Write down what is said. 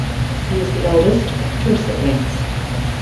He is the eldest of two siblings.